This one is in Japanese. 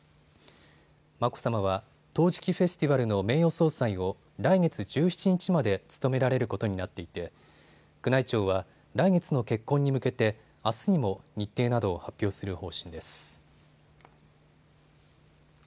眞子さまは陶磁器フェスティバルの名誉総裁を来月１７日まで務められることになっていて宮内庁は来月の結婚に向けてあすにも日程などを発表する方針です。